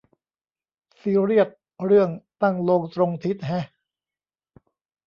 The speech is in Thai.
ซีเรียสเรื่องตั้งโลงตรงทิศแฮะ